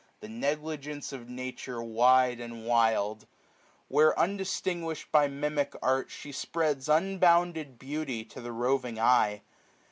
The negligence of Nature, wide, and wild ; Where, undisguis'd by mimic Art, she spreads Unbounded beauty to the roving eye.